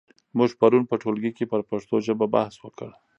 موږ پرون په ټولګي کې پر پښتو ژبه بحث وکړ.